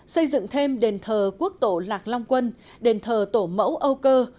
xây dựng thêm đền thờ quốc tổ lạc long quân đền thờ tổ mẫu âu cơ